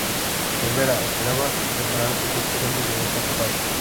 Cervera esperaba reparar sus buques antes de verse atrapado.